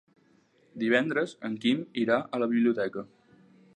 Divendres en Quim irà a la biblioteca.